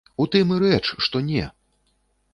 У тым і рэч, што не!